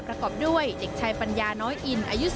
ประกอบด้วยเด็กชายปัญญาน้อยอินอายุ